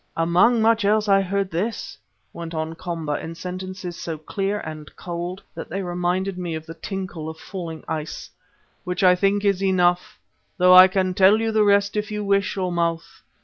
"Among much else I heard this," went on Komba in sentences so clear and cold that they reminded me of the tinkle of falling ice, "which I think is enough, though I can tell you the rest if you wish, O Mouth.